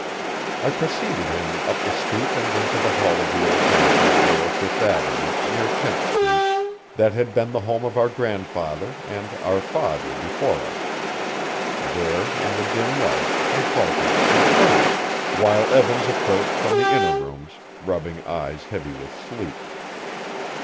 I preceded him up the stoop and into the hall of the old house on lower Fifth Avenue, near Tenth Street, that had been the home of our grandfather and our father before us. There, in the dim light, I halted and turned, while Evans approached from the inner rooms, rubbing eyes heavy with sleep.